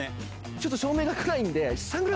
ちょっと照明が暗いんで。